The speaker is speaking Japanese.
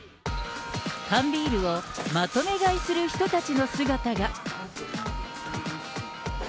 缶ビールをまとめ買いする人たちの姿が。